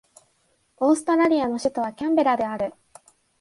オーストラリアの首都はキャンベラである